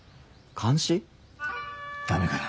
ダメかな？